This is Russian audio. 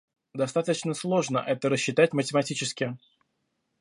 Достаточно сложно это рассчитать математически